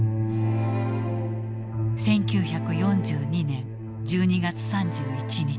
１９４２年１２月３１日。